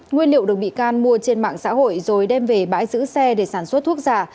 nguyên liệu được bị can mua trên mạng xã hội rồi đem về bãi giữ xe để sản xuất thuốc giả